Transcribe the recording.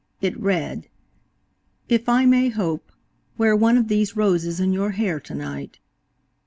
It read: "If I may hope, wear one of these roses in your hair tonight."